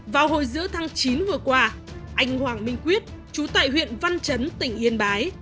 vào hồi giữa tháng chín vừa qua anh hoàng minh quyết chú tại huyện văn chấn tỉnh yên bái